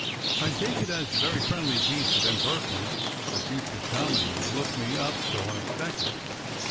I take it as a very friendly piece of impertinence that you should come and look me up so unexpected.